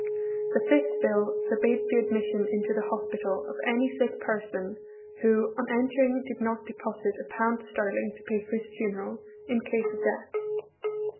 The fifth bill forbade the admission into the hospital of any sick person who on entering did not deposit a pound sterling to pay for his funeral, in case of death.